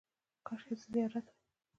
– کاشکې زه زیارت وای.